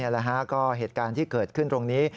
แล้วก็เกิดที่เกิดขึ้นตรงนี้